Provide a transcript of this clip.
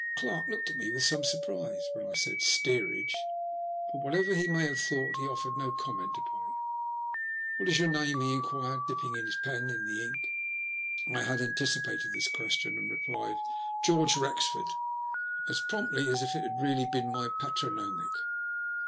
The clerk looked at me with some surprise when I said " steerage," but, whatever he may have thought, he offered no comment upon it. *' What is your name ?" he inquired, dipping his pen in the ink. I had anticipated this question, and replied " George Wrexford " as promptly as if it had really been my patronymic.